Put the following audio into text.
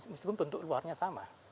meskipun bentuk luarnya sama